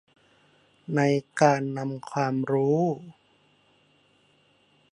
ในการนำความรู้